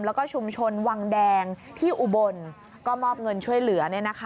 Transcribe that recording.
แล้วก็ชุมชนวังแดงที่อุบลก็มอบเงินช่วยเหลือ